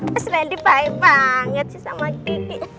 mas randi baik banget sih sama geki